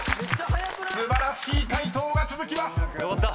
素晴らしい解答が続きます］よかった！